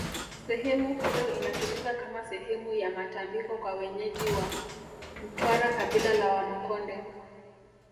sehemu hiyo inatumika kama sehemu ya matambiko kwa wenyeji wa mtwara kabila la wamakonde